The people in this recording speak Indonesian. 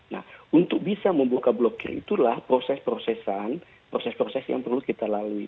nah untuk bisa membuka blokir itulah proses prosesan proses proses yang perlu kita lalui